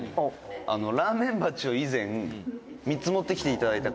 「ラーメン鉢を、以前３つ持ってきていただいた」